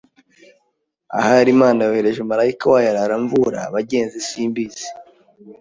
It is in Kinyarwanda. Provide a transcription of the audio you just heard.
Ahari Imana yohereje Malayika wayo arara amvura bagenzi simbizi,